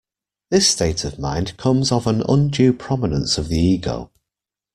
This state of mind comes of an undue prominence of the ego.